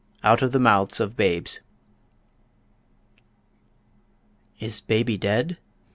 "OUT OF THE MOUTHS OF BABES." "Is baby dead?"